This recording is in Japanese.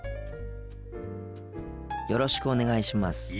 よろしくお願いします。